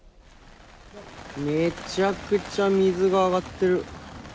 めちゃくちゃ水があがってる。